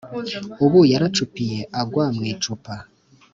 Ubu yaracupiye agwa mu icupa